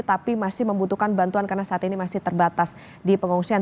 tapi masih membutuhkan bantuan karena saat ini masih terbatas di pengungsian